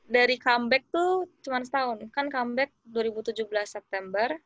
dari comeback tuh cuma setahun kan comeback dua ribu tujuh belas september